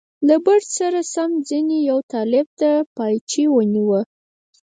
له بړچ سره سم چیني یو طالب له پایڅې ونیوه.